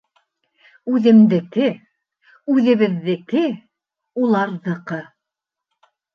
Үҙемдеке, үҙебеҙҙеке, уларҙыҡы